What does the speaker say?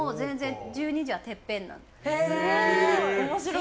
面白い。